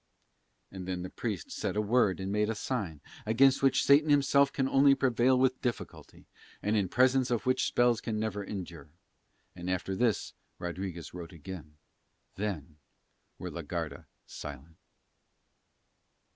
And then the Priest said a word and made a sign, against which Satan himself can only prevail with difficulty, and in presence of which his spells can never endure. And after this Rodriguez wrote again. Then were la Garda silent.